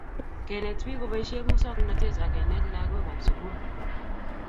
Kenet bik koboisie muswoknatet ak kenet lagokab sukul